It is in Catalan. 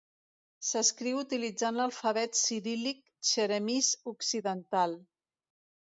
S'escriu utilitzant l'alfabet ciríl·lic txeremís occidental.